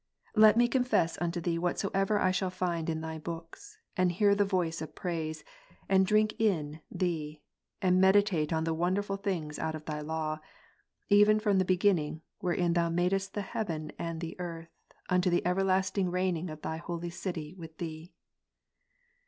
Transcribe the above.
Let me confess unto Thee whatsoever I shall find in Thy books, and hear the voice of praise, and drink in Thee, and Ps. 26, meditate on the wonderful things out of Thy law ; even from the beginning, wherein Thou madest the heaven and the earth, unto the everlasting reigning of Thy holy city with Thee.